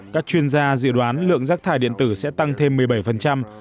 các chuyên gia dự đoán lượng rác thải điện tử sẽ tăng thêm một mươi bảy